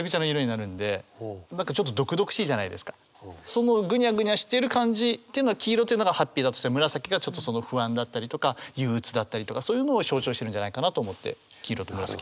そのぐにゃぐにゃしている感じっていうのは黄色というのがハッピーだとしたら紫がちょっと不安だったりとか憂うつだったりとかそういうのを象徴してるんじゃないかなと思って黄色と紫。